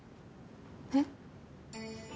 えっ？